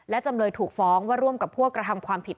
และจำเลยถูกฟ้องว่าร่วมกับพวกกระทำความผิด